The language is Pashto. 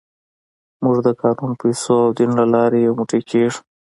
موږ د قانون، پیسو او دین له لارې یو موټی کېږو.